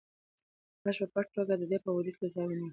غږ په پټه توګه د ده په وجود کې ځای ونیوه.